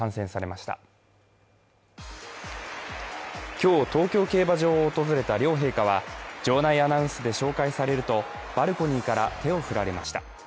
今日、東京競馬場を訪れた両陛下は、場内アナウンスで紹介されるとバルコニーから手を振られました。